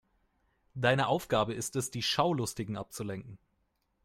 Deine Aufgabe ist es, die Schaulustigen abzulenken.